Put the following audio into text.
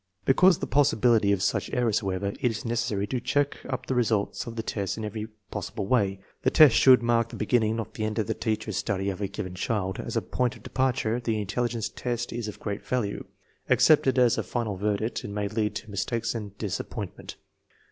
Because of the possibility of such errors, however, it is necessary to check up the results of the tests in every possible way. The test should mark the beginning, not the end, of the teacher's study of a given child. As a point of departure the intelligence test is of great value; accepted as a final verdict it may lead to mistakes and disappointment.